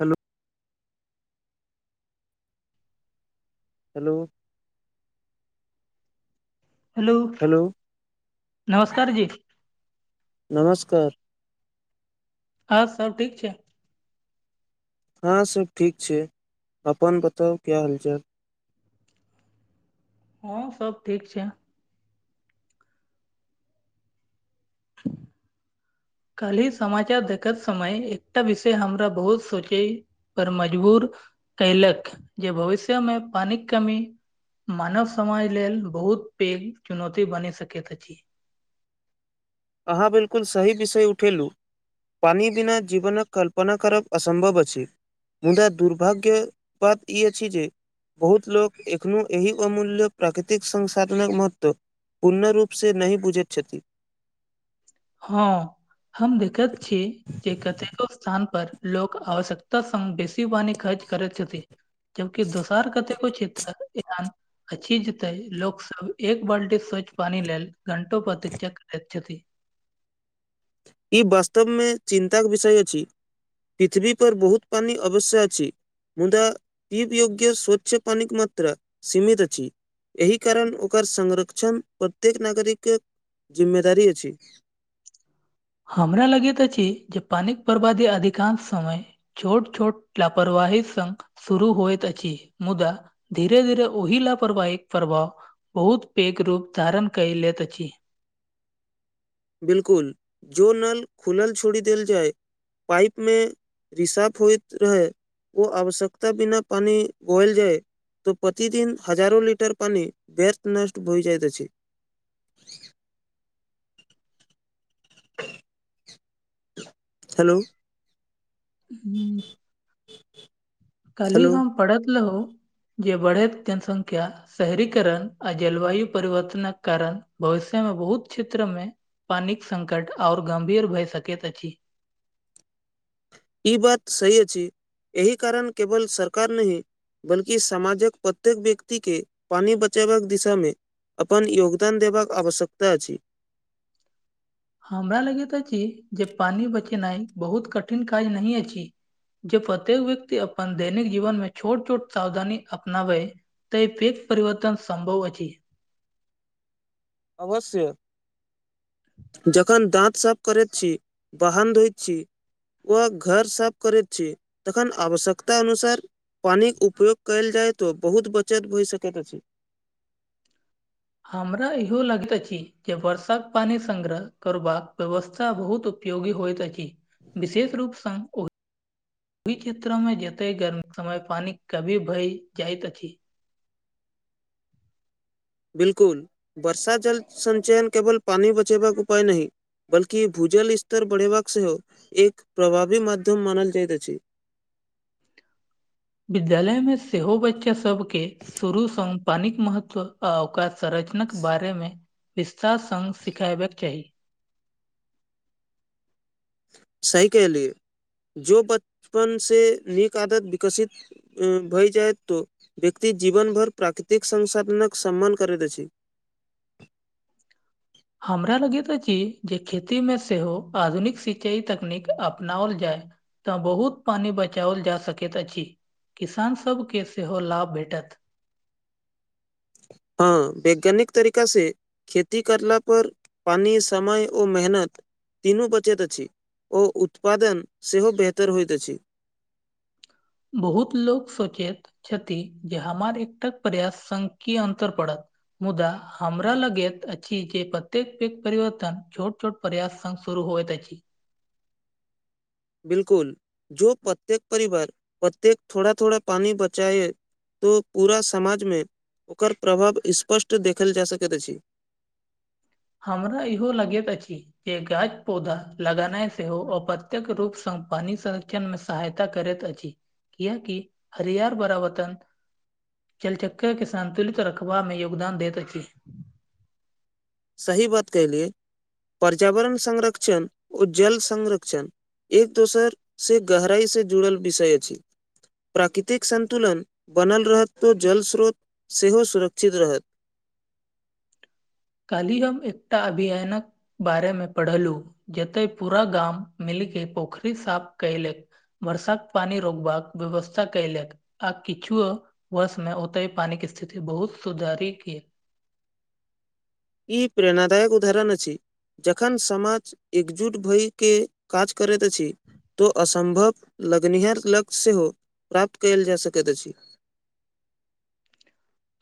Hello hello hello नमस्कार जी नमस्कार आर सब ठीक छियै हाँ सब ठीक छै अपन बताउ कि हालचाल हं सब ठीक छै काल्हि समाचार देखति समय एकटा विषय हमरा बहुत सोचे पर मजबूर कयलक जे भविष्य मे पानिक कमी मानव समाज लेल बहुत पेघ चुनौती बनी सकति अछि अहाँ बिलकुल सही विषय उठेलौं पानि बिना जीवनक कल्पना करब असंभव अछि मुदा दुर्भाग्य बाद ई अछि जे बहुत लोक एखनो एहि अमूल्य प्राकृतिक संसाधनक महत्व पूर्ण रूप सँ नहि बुझति छथि हँ हम देखति छी जे कतेको स्थान पर लोक आवश्यकता संग बेसी पानी खर्च करति छथि जबकि दोसार कतेको क्षेत्र इहान अछि जतय लोक संग एक बाल्टी स्वच्छ पानी लेल घंटो प्रतीक्षा करति छथि ई वास्तवक्षमे चिन्ताक विषय अछि पृथ्वी पर बहुत पानि अवश्य अछि मुदा पीप योग्य स्वच्छ पानिक मात्रा सीमित अछि एहि कारण ओकर संरक्षण प्रत्येक नागरिक के जिम्मेदारी अछि हमरा लगति अछि जे पानिक बर्बादी अधिकांश समय छोट छोट लापरवाही संग शुरू होयइत अछि मुदा धीरे धीरे ओहिलापरवाहिक प्रभाव बहुत पेघ रूप धारण कय लति अछि बिलकुल जो नल खुलल छोड़ी देल जाय पाइप मे रिसाफ होइत रहै ओ आवश्यकता बिना पानि गल जाय तऽ प्रतिदिन हजारो लिटर पानी वेष्ट नष्ट हो जाइत अछि हेलो हू कल्ही हेलो हम पढ़ति रहु जे बढ़ति जनसंख्या शहरीकरण आ जलवायु परिवर्तनक कारण भविष्य मे बहुत क्षेत्र मे पानिक संकट आओर गंभीर भए सकति अछि ई बात सही अछि एहि कारण केवल सरकार नहि बल्कि समामाजक प्रत्येक व्यक्ति के पानी बचेबाक दिशा मे अपन योगदान देबाक आवश्यकता अछि हमरा लगति अछि जे पानी बचेनाइ बहुत कठिन काज नहि अछि जे प्रत्येक व्यक्ति अपन दैनिक जीवन मे छोट छोट सावधानी अपनावै तऽ फेेक परिवर्तन संभव अछि अवश्य जखन दाँत साफ करति छी बाहन्न धोइत छी व घर साफ करति छी तखन आवश्यकता अनुसार पानिक उपयोग कयल जाय तऽ बहुत बचत भए सकति अछि हमरा इहो लगति अछि जे वर्षाक पानि संगग्र करबाक व्यवस्था बहुत उपयोगी होयत अति विशेष रूप संग ओ ओहि क्षेत्र मे जतय गर्मी कऽ समय पानि कभी भरि जाइत अछि। बिल्कूल बर्षा जल सञ्चयन केवल पानी बचेबाकपाय नाह, बल्कि भूजल स्तर बढ़ेबाक सेहो, एक प्रभावी माध्यम मानल जाइत अछि। विद्यालयमे सेहो बच्चासभके शुरूसँ पानिक महत्व। आ ओकर संरचनाक बारे मे विस्तार सँ सिखेबे के चाही। सही कहलिय जो बचपन से नीक आदत विकसित। भय जाय तो व्यक्ति जीवन भर प्राकृतिक संसाधन के सम्मान करैत अछि। हमरा लगैत अछि, जे खेतीमे सेहो आधुनिकऽ सिंचाई तकनीक अपनाओल जाय। तऽ बहुत पानि बचाओल जा सकैत अछि, किसान सभके सेहो लाभ भेटत। हू वैज्ञानिक तरीका से। खेती करला पर पानि समय ओ मेहनत। तीनू बचैत अछि, ओ उत्पादन सेहो बेहतर होइत अछि। बहुत लोको सोचैत छथि, जे हमर एकटा प्रयास संख कि अन्तर पड़त। मुदा हमरा लगैत अछि जे प्रतेक पघं परिवर्तन छोट छोट प्रयास सँ सुरू होत छी। बिल्कूल जो प्रत्येक परिवार प्रत्येक थोड़ा थोड़ा पानी बचाए। तऽ पूरा समाज मे ओकर प्रभाव स्पष्ट देखल जा सकैत अछि। हमरा इहो लगैत अछि। या गाछ पौधा लगाना सेहो हो अपत्य्यक रूप सँ पानी संरक्षण मे सहायता करैत अछि कियाकि हरियर बरावतन चल चक्कर के संन्तुलित रखबा मे योगदान देत छी सही बात कहलियए पर्यावरण संरक्षण ओ जल संरक्षण एक दोसर से गहराई से जुड़ल विषय अछि। प्राकृतिक संन्तुलन बनल रहत तऽ जल स्रोत सेहो सुरक्षित रहत काहि हम एकटा अभियानक। बारे मे पढ़लू जते पूरा गाम मिलके पोखरि साफ कलक। वर्षा कऽ पानी रोगबाक व्यवस्था कलक। आ किछु वर्ष मे ओते हा पानी के स्थिति बहुत सुधारी ई प्रेरणादायक उदाहरण अछि। जखन समाज एकजुट भयके काज करैत अछि। तऽ असम्भव लगनिहार लक्ष्य सेहो प्राप्त कयल जऽ सकैत अछि।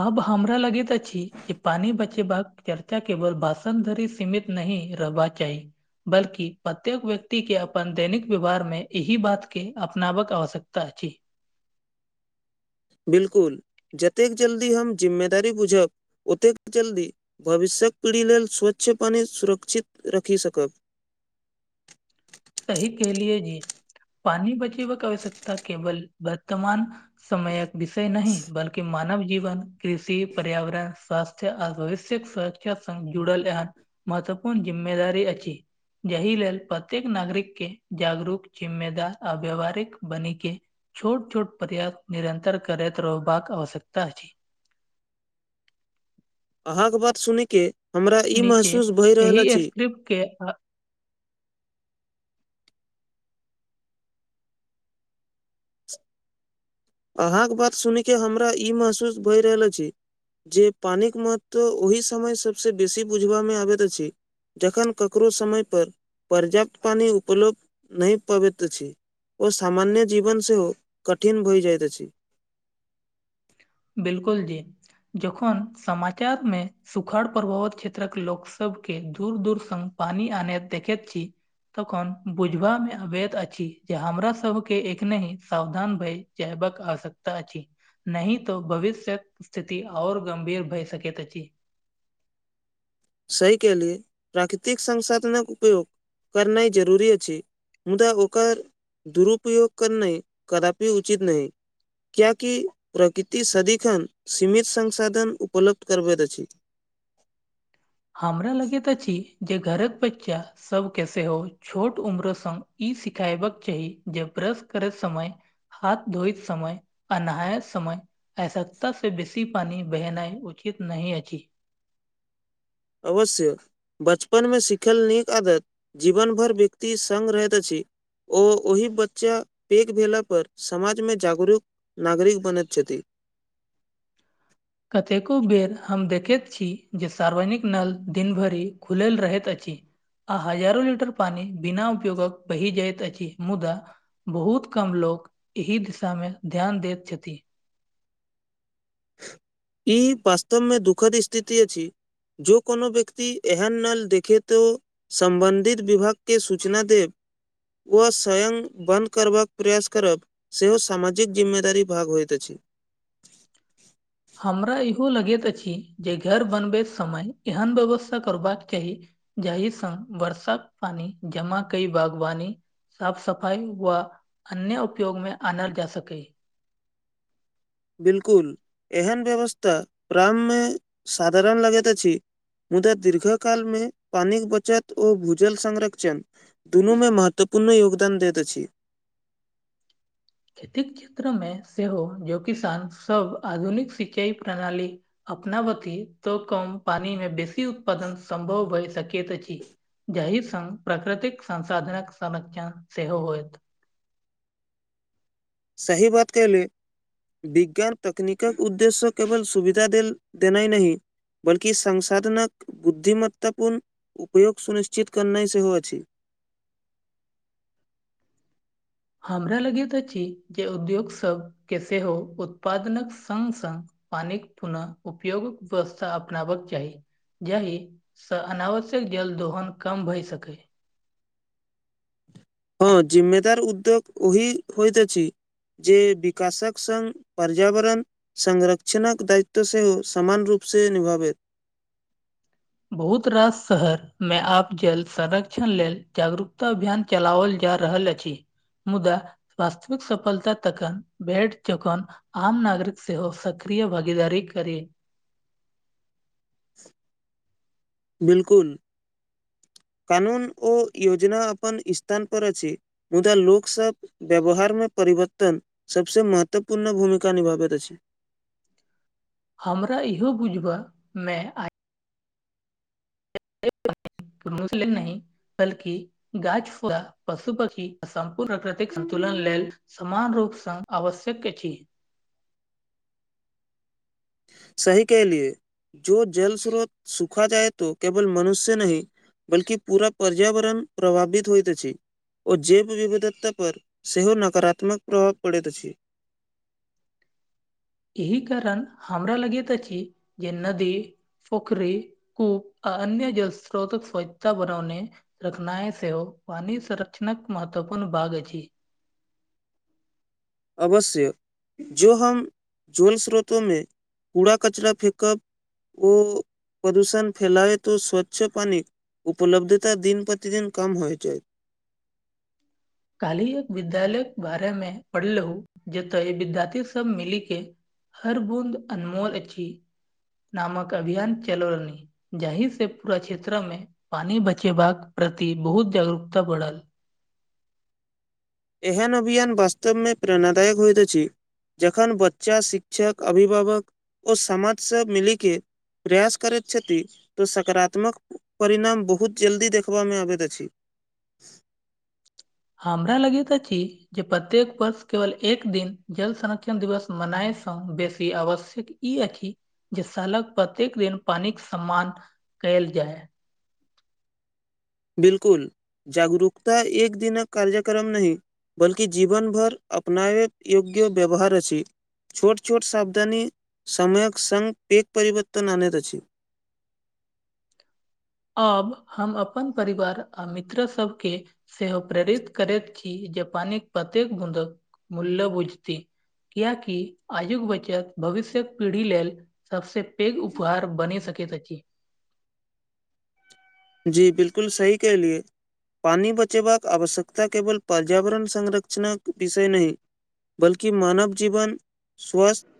आब हमरा लगैत अछि जे पानि बचेबाकऽ चर्चा केवल बासन धरि सीमित। नहि रहबक चाही। बल्कि प्रत्येक व्यक्ति के अपन दैनिक व्यवहार मे एहि बात के अपना के आवश्यकता अछि। बिल्कूल जतेक जल्दी हम जिम्मेदारी बुझब ओतेक जल्दी भविष्यक पीढ़ी लेलऽ स्वच्छ पानि सुरक्षित रखि सकब। सही कहलियए जी पानी बची आवश्यकता केवल वर्तमान समय कऽ विषय नहि बल्कि मानव जीवन कृषि पर्यावरण स्वास्थ्य आ भविष्यक सुर्ष जुड़ल। महत्वपूर्ण जिम्मेदारी अछि जाहि लेलऽ प्रत्येक नागरिक के जागरू कऽ जिम्मेदार आ व्याववहारिक बनी के। छोट छोट पर्य निरन्तर करैत रहबाकऽ आवश्यकता अछि अहाँ केँ बात सुनय के हमरा ई नीचे महसूस भए रहल अछि। [unintelligible] अहाँकेँ बात सुन कऽ हमरा ई महसूस भऽ रहल अछि। जे पानिक महत्व ओहि समय सभसँ बेसी बुझबा मे आबति अछि जखन ककरो समयपर पर्याप्त पानि उपलब्ध नहि पबति अछि ओ सामान्य जीवन सेहो कठिन भइ जाइत अछि बिलकुल जी जखन समाचार मे सुखाड़ पभावत क्षेत्रक लोक सबके दूर दूर संग पानी आन देखति छी तखन बुझबा मे अवति अछि जे हमरा सब के एखनही सावधान भय जबिक आवश्यकता अछि नहि तऽ भविष्य्यक स्थिति और गंभीर भए सकति अछि सही केहलियै प्राकृतिक संसाधनक उपयोग करनाइ जरूरी अछि मुदा ओकर दुरुपयोग करनाय कदापि उचित नहि कियाकि प्रकृति सदिखन सीमित संसाधन उपलब्ध करबति अछि हमरा लगति अछि छी जे घरक बच्चा सबके सेहो छोट उम्र संग ई सिखयबाक चाही जे ब्रश करति समय हाथ धोइत समय आ नहायत समय आवश्यकता से बेसी पानि बहेनाइ उचित नहि अछि अवश्य बचपन मे सिखल नीक आदत जीवन भर व्यक्ति सङ्ग रहति अछि ओ ओहि बच्चा पघि भेला पर समाज मे जागरूक नागरिक बनेति छथि कतेको बेर हम देखति छी जे सार्वजनिक नल दिन भरि खुलल रहति अछि आ हजारो लीटर पानि बिना उपयोगक बहि जाइत अछि मुदा बहुत कम लोग एहि दिशा मे ध्यान दति छथि ई वास्तव मे दुःखद स्थिति अछि जॅं कोनो व्यक्ति एहन नल देखे तऽ सम्बन्धित विभाग के सूचना देब ओ स्वयं बन्द करबाक प्रयास करब सेहो सामाजिक जिम्मेदारीक भाग होइत अछि हमरा इहो लगति अछि जे घर बनबै समय एहन व्यवस्था करबाक चाही जाहि सॅं वर्षाक पानी जमा कइ बागवानी साफ सफाइ वा अन्य उपयोग मे आना जा सकय बिलकुल एहन व्यवस्था प्रारम्भ मे साधारण लगति अछि मुदा दीर्घ काल मे पानिक बचत ओ भूजल संरक्षण दुनू मे महत्वपूर्ण योगदान दति अछि खेतीक क्षेत्र मे सेहो जे किसान सब आधुनिक सिंचाई प्रणाली अपना बती तऽ कम पानि मे बेसी उत्पादन सम्भव भय सकति अछि जहि संग प्राकृतिक संसाधनक संरक्षण सेहो होयत सही बात केहलि विज्ञान तकनीकक उद्देश्य केवल सुविधा देल देनाय नहि बल्कि संसाधनक बुद्धिमत्तापूर्ण उपयोग सुनिश्चित करनाइ सेहो अछि हमरा लगति अछि जे उद्योग सभ के सेहो उत्पादनक संग संग पानिक पुनः उपयोग व्यवस्था अपनाबक चाही जाहि सँ अनावश्यक जल दोहन कम भय सकय हँ जिम्ममेदार उद्योग ओहि होइत अछि जे विकासक सङ्ग पर्यावरण संगरक्षणक दायित्व सेहो समामान रूपसे निभावै बहुत रास शहर मे आप जल संरक्षण लेल जागरूकता अभियान चलाओल जा रहल अछि मुदा वास्तविक सफलता तकन बेट चखन आम नागरिक सेहो सक्रिय भागीदारीक करी बिल्कुल कानून ओ योजना अपन इस्थन पर अछि मुदा लोकसब व्यवहार मे परिवर्तन सबसे महत्वपूर्ण भूमिका निभाबैत अछि हमरा इहो बुझबा मे आइ [unintelligible] नहि बल्कि गाछ, [unintelligible] पशु, पक्षी संपूर्ण प्रकृतिक संतुलन लेल समान रूपसग आवश्यक अछि सही कहलियए जो जल स्रोत सुखा जाय तोऽ केवल मनुष्य नहि बल्कि पूरा पर्यावरण प्रभावित होइत अछि ओ जैव विविधता पर सेहो नकारात्मक प्रभाव पड़ैत अछि एहि कारण हमरा लगेत अछि जे नदी पोखरी को अन्य जल स्रोतक स्वच्छता बनौने रखनाइ सेहो पानी संरक्षणक महत्वपूर्ण बाग अछि अवश्य जो हम जल स्रोत मे कूड़ा कचरा फेेकब ओ प्रोदूषण फैलाय तऽ स्वच्छ पानि उपलब्धता दिन प्रतिदिन कम होइ जायत काल्हि एक विद्यालय के बारे मे पढ़लौं जतऽ विद्यार्थी सब मिली के हर बूंद अनमोल अची नामक अभियान चलो रनी जाहि से पूरा क्षेत्र मे पानी बचेबाका प्रति बहुत जागरूकता बढ़ल एहन अभियान वास्तवमे प्रेरणादायक होइत अछि जखन बच्चा शिक्षक अभिभावक ओ समाज सब मिली के प्रयास करैत छथि तऽ सकारात्मक परिणाम बहुत जल्दी देखबामे अबैत अछि हमरा लगैत अछी जे प्रत्येक वर्ष केवल एक दिन जल संरक्षण दिवस मनाय सँ बेसी आवश्यक ई अखि जे सालक प्रत्येक दिन पानी के सम्मान कयल जाय बिल्कुल जागरूकता एक दिनक कार्यक्रम नहि बल्कि जीवन भर अपनाबै योग्य व्यवहार अछि छोट छोट साबदनी समयक संग पैघ परिवर्तन आनेत अछि अब हम अपन परिवार आ मित्र सबके सेहो प्रेरित करैत की जे पानिक प्रतेक बूँदक मूल्य बुझती कियाकि आजुक बचत भविष्यक पीढ़ी लेल सबसे पैघ उपहार बनि सकैत अछि जी बिल्लकु सही कहलियए पानी बचेबाक आवश्यकता केवल पर्यावरण संरक्षणक विषय नहि बल्कि मानव जीवन स्वस्